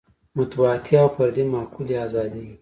مطبوعاتي او فردي معقولې ازادۍ.